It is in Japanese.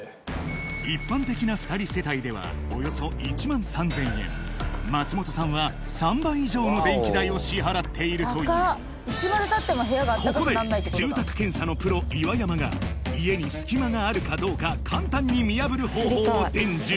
一般的な２人世帯ではおよそ１３０００円松本さんは３倍以上の電気代を支払っているというここで住宅検査のプロ岩山が家に隙間があるかどうか簡単に見破る方法を伝授